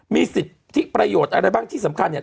มีสิทธิประโยชน์อะไรบ้างที่สำคัญเนี่ย